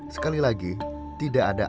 sekali lagi tidak ada